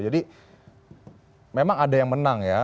jadi memang ada yang menang ya